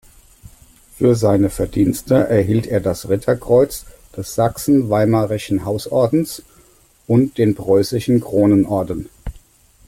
Für seine Verdienste erhielt er das Ritterkreuz des Sachsen-Weimarischen Hausordens und den preußischen Kronenorden.